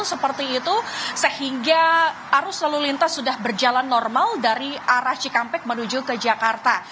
seperti itu sehingga arus lalu lintas sudah berjalan normal dari arah cikampek menuju ke jakarta